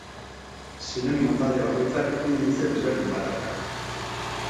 Sinonimo-talde bakoitzak indize desberdin bat dauka.